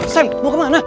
sam mau kemana